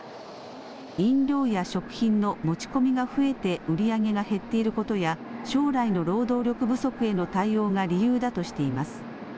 飲料や食品の持ち込みが増えて、売り上げが減っていることや、将来の労働力不足への対応が理由だとしています。